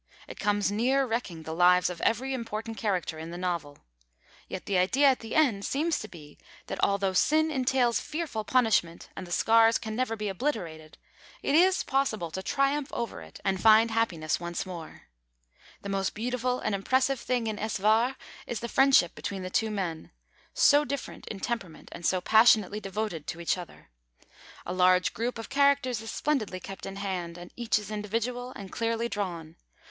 It comes near wrecking the lives of every important character in the novel. Yet the idea at the end seems to be that although sin entails fearful punishment, and the scars can never be obliterated, it is possible to triumph over it and find happiness once more. The most beautiful and impressive thing in Es War is the friendship between the two men so different in temperament and so passionately devoted to each other. A large group of characters is splendidly kept in hand, and each is individual and clearly drawn.